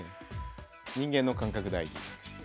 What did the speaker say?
人間の感覚大事。